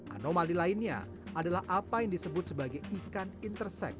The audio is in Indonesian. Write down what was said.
anomali lainnya adalah apa yang disebut sebagai ikan intersex